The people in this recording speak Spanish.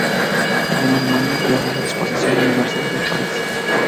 Ese mismo año, viajó a la Exposición Universal de París.